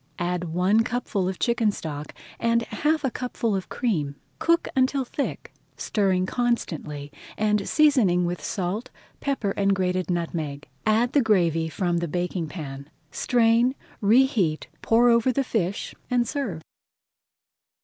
Add one cupful of chicken stock and half a cupful of cream. Cook until thick, stirring constantly, and seasoning with salt, pepper, and grated nutmeg. Add the gravy from the baking pan, strain, reheat, pour over the fish, and serve.